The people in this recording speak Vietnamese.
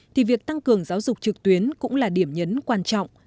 thì việc tăng cường giáo dục trực tuyến cũng là điểm nhấn quan trọng